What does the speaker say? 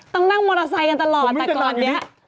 ต้องนั่งมอเตอร์ไซค์กันตลอดแต่ก่อนนี้